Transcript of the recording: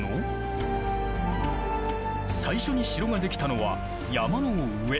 最初に城ができたのは山の上。